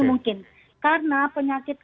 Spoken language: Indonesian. mungkin karena penyakit